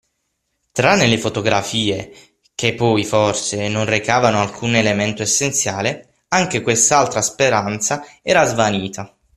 Tranne le fotografie – che poi, forse, non recavano alcun elemento essenziale – anche quest’altra speranza era svanita.